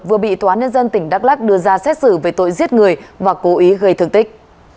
vừa bị tòa án nhân dân tỉnh đắk lắc đưa ra xét xử về tội giết người và cố ý gây thương tích